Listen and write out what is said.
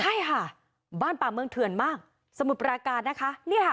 ใช่ค่ะบ้านป่าเมืองเถื่อนมากสมุทรปราการนะคะเนี่ยค่ะ